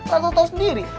lo gak tahu sendiri